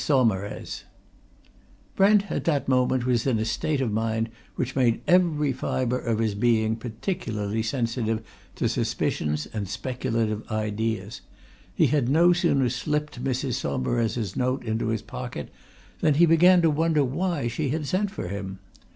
SAUMAREZ Brent, at that moment, was in a state of mind which made every fibre of his being particularly sensitive to suspicions and speculative ideas he had no sooner slipped Mrs. Saumarez's note into his pocket than he began to wonder why she had sent for him?